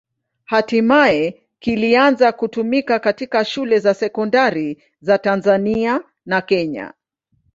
Hatimaye kilianza kutumika katika shule za sekondari za Tanzania na Kenya.